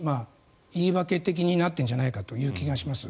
言い訳的になってるんじゃないかという気がします。